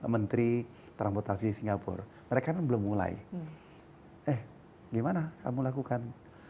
menteri transportasi singapura mereka belum mulai eh gimana kamu lakukan